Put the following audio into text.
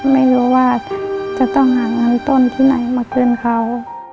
ไม่รู้ว่าจะต้องหาเงินต้นที่ไหนมาคืนเขา